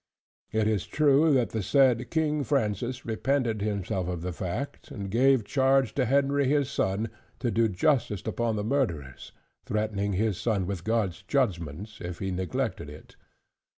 It is true that the said King Francis repented himself of the fact, and gave charge to Henry his son, to do justice upon the murderers, threatening his son with God's judgments, if he neglected it.